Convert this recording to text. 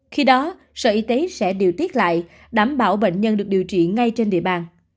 khi đó sở y tế sẽ điều tiết lại đảm bảo bệnh nhân được điều trị ngay trên địa bàn